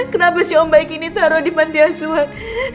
kenapa si om baik ini ditaro di pantai asuhan